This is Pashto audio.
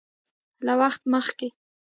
له وخت مخکې